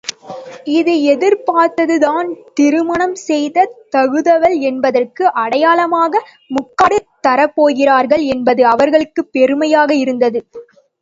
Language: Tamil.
இது எதிர்பார்த்ததுதான் திருமணம் செய்யத் தகுந்தவள் என்பதற்கு அடையாளமாக முக்காடு தரப்போகிறார்கள் என்பது அவளுக்குப் பெருமையாக இருந்தது.